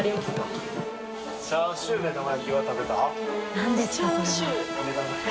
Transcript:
何ですか？